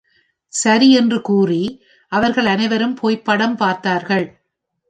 சரி என்ற கூறி, அவர்கள் அனைவரும் போய்ப் படம் பார்த்தார்கள்.